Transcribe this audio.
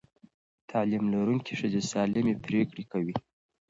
تعلیم لرونکې ښځې سالمې پرېکړې کوي.